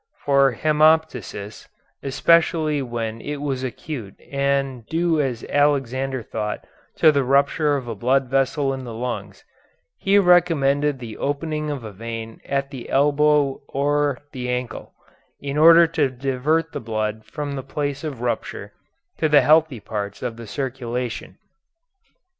For hemoptysis, especially when it was acute and due as Alexander thought to the rupture of a blood vessel in the lungs, he recommended the opening of a vein at the elbow or the ankle in order to divert the blood from the place of rupture to the healthy parts of the circulation.